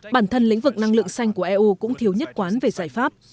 bản thân lĩnh vực năng lượng xanh của eu cũng thiếu nhất quán về giải pháp